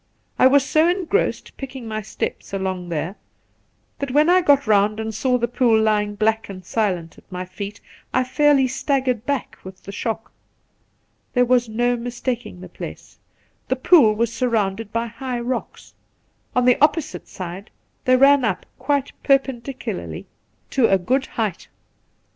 I was so engrossed picking my steps along there that, when I had got round and saw the pool lying black and silent at my feet, I fairly staggered back with the shock. There was no mistaking the place. The pool was surrounded by high rocks ; on the opposite side they ran up quite perpendicularly to 12—2 [8o The Pool a good height.